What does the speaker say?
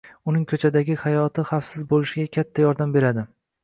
uning ko‘chadagi hayoti xavfsiz bo‘lishiga katta yordam beradi.